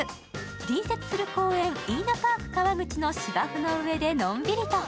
隣接する公園、イイナパーク川口の芝生の上でのんびりと。